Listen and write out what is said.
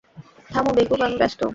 থাম বেকুব, আমি ব্যস্ত।